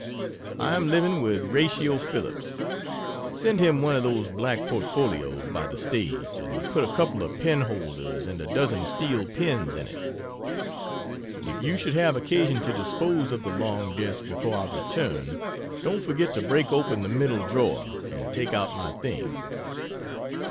I am living with "Ratio Phillips." Send him one of those black portfolios by the stage, and put a couple of pen holders and a dozen steel pens in it. If you should have occasion to dispose of the long desk before I return, don't forget to break open the middle drawer and take out my things.